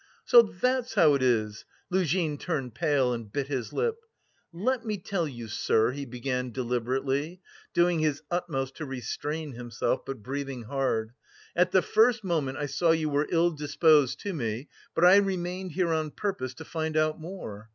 "So that's how it is?" Luzhin turned pale and bit his lip. "Let me tell you, sir," he began deliberately, doing his utmost to restrain himself but breathing hard, "at the first moment I saw you you were ill disposed to me, but I remained here on purpose to find out more.